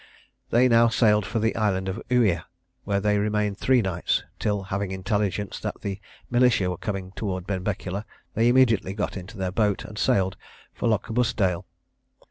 They now sailed for the island of Uia, where they remained three nights, till, having intelligence that the militia were coming towards Benbecula, they immediately got into their boat, and sailed for Lochbusdale.